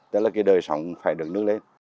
đó là cái đời sống phải đường nước đấy